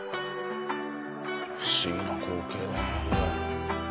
不思議な光景だなこれ。